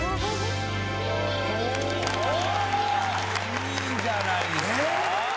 いいんじゃないですか。